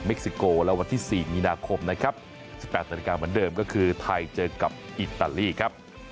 ซิโกและวันที่๔มีนาคมนะครับ๑๘นาฬิกาเหมือนเดิมก็คือไทยเจอกับอิตาลีครับ